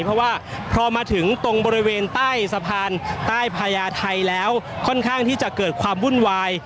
เพราะว่าพอมาถึงตรงบริเวณใต้สะพานใต้พญาไทยแล้วค่อนข้างที่จะเกิดความวุ่นวาย